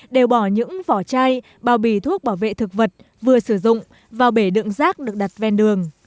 đều bỏ những vỏ chai bao bì thuốc bảo vệ thực vật vừa sử dụng vào bể đựng rác được đặt ven đường